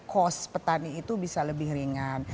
cost petani itu bisa lebih ringan